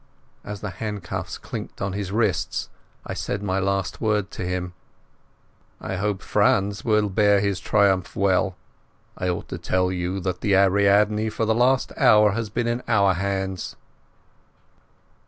As the handcuffs clinked on his wrists I said my last word to him. "I hope Franz will bear his triumph well. I ought to tell you that the Ariadne for the last hour has been in our hands."